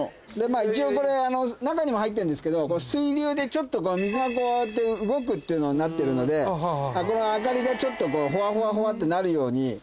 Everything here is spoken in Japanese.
一応これ中にも入ってるんですけど水流でちょっと水がこうやって動くっていうのなってるので明かりがちょっとホワホワホワってなるように。